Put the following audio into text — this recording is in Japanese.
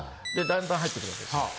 だんだん入ってくる訳ですよ。